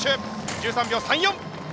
１３秒３４！